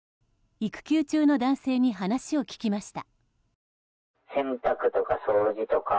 育休中の男性に話を聞きました。